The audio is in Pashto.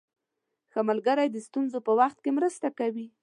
ښه ملګری د ستونزو په وخت کې مرسته کوي.